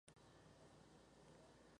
Vive en las dunas costeras.